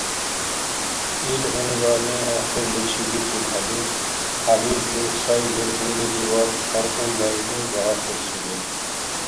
Ил гьунибаъни ахирличи бикибхӀели, ХӀябибли, сай вирхӀнилизивад аркьулра или багьахъурсири.